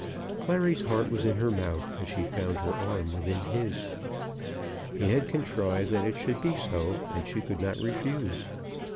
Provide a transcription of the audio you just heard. Clary's heart was in her mouth as she found her arm within his. He had contrived that it should be so, and she could not refuse.